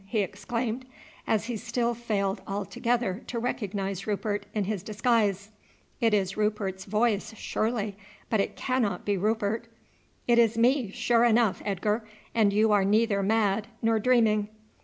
he exclaimed, as he still failed altogether to recognize Rupert in his disguise. "It is Rupert's voice surely, but it cannot be Rupert." "It is me, sure enough, Edgar; and you are neither mad nor dreaming."